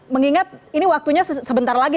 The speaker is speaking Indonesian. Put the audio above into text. mengingat ini waktunya sebentar lagi